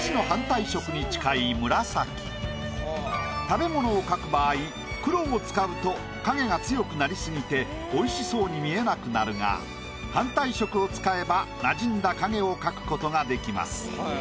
食べ物を描く場合黒を使うと影が強くなりすぎて美味しそうに見えなくなるが反対色を使えば馴染んだ影を描くことができます。